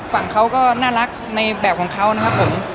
ฝั่งเขาก็น่ารักในแบบของเขานะครับผม